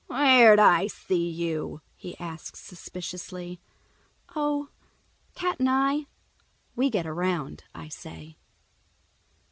"Where'd I see you?" he asks suspiciously. "Oh—Cat and I, we get around," I say.